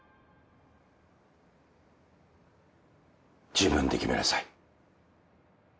自分で決めなさい。